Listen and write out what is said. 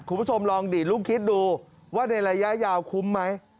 คุณผู้ชมลองดีดลูกคิดดูว่าในระยะยาวคุ้มไหม